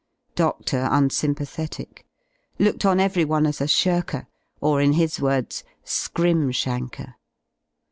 Doctor unsympathetic: looked on everyone as a shirker or, in his words, "skrimshanker."